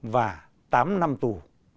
và tám năm tù